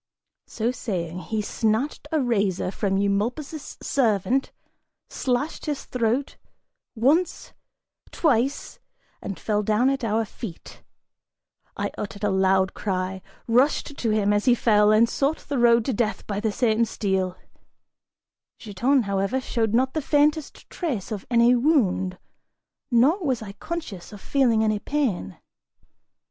So saying, he snatched a razor from Eumolpus' servant, slashed his throat, once, twice, and fell down at our feet! I uttered a loud cry, rushed to him as he fell, and sought the road to death by the same steel; Giton, however, showed not the faintest trace of any wound, nor was I conscious of feeling any pain.